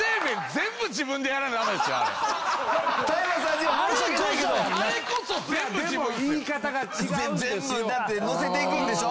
全部だってのせていくんでしょ？